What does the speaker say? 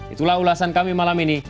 itulah ulasan kami malam ini